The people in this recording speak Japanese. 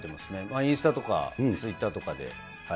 インスタとかツイッターとかで。